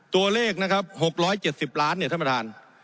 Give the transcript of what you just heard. ตัวเลขนะครับหกร้อยเจ็ดสิบล้านเนี่ยท่านประธาน